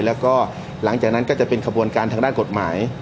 แล้วก็หลังจากนั้นก็จะเป็นขบวนการทางด้านกฎหมาย